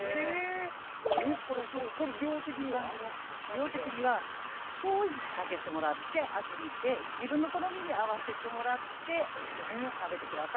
量的には少しずつかけてもらって味見て自分の好みに合わせてもらって食べてください。